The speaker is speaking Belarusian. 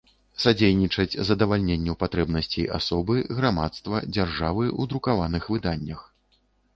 Садзейнiчаць задавальненню патрэбнасцей асобы, грамадства, дзяржавы ў друкаваных выданнях.